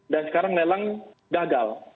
dan sekarang lelang gagal